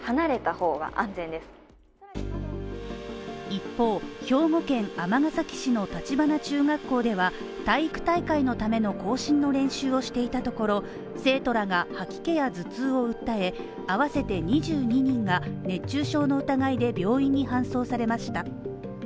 一方、兵庫県尼崎市の立花中学校では体育大会のための行進の練習をしていたところ生徒らが吐き気や頭痛を訴え、合わせて２２人が熱中症の疑いで病院に搬送されました。